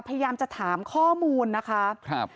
พยายามจะถามข้อมูลนะคะครับ